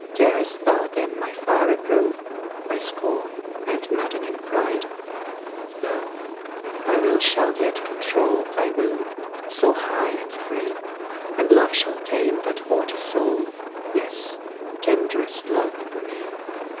Darest thou then my fire reprove, By scorn, and maddening pride? No my will shall yet control Thy will, so high and free, And love shall tame that haughty soul Yes tenderest love for me.